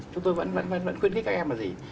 chúng tôi vẫn khuyên khích các em là gì